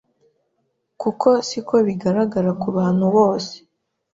kuko siko bigaragara ku bantu bose